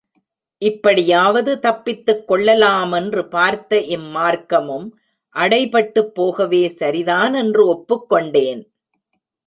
இப்படியாவது தப்பித்துக் கொள்ளலாம் என்று பார்த்த இம் மார்க்கமும் அடைபட்டுப் போகவே, சரிதான் என்று ஒப்புக்கொண்டேன்.